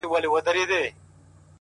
د سړک څراغونه د شپې لارې نرموي